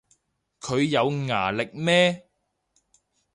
佢有牙力咩